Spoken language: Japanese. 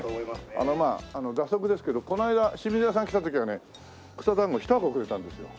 あの蛇足ですけどこの間清水屋さん来た時はね草だんご１箱くれたんですよ。